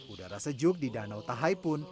udara sejuk di danau tahai pun